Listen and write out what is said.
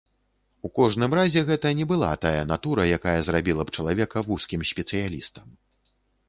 У кожным разе гэта не была тая натура, якая зрабіла б чалавека вузкім спецыялістам.